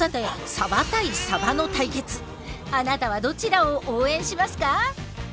さてあなたはどちらを応援しますか？